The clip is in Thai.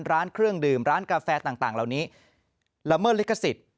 ร้านเครื่องดื่มร้านกาแฟต่างเหล่านี้ละเมิดลิขสิทธิ์